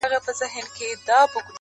• هغه له منځه ولاړ سي.